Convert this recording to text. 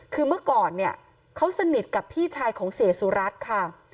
คือเมื่อก่อนเนี่ยเขาสนิทกับพี่ชายของเสียสุรัตน์ค่ะ